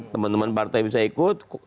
teman teman partai bisa ikut